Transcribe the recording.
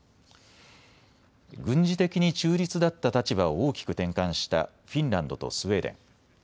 軍事的に中立だった立場を大きく転換したフィンランドとスウェーデン。